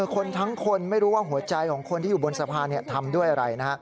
คนทั้งคนไม่รู้ว่าหัวใจของคนที่อยู่บนสะพานทำด้วยอะไรนะฮะ